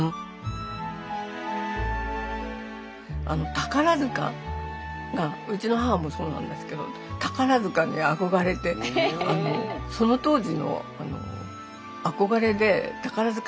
宝塚がうちの母もそうなんですけど宝塚に憧れてその当時の憧れで宝塚に入りたかったみたいですよ。